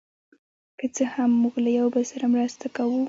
که څه هم، موږ له یو بل سره مرسته کوو.